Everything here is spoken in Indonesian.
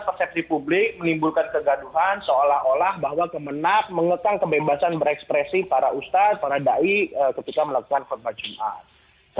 konsepsi publik menimbulkan kegaduhan seolah olah bahwa kemenap mengekang kebebasan berekspresi para ustad para da'i ketika melakukan kotbah jumat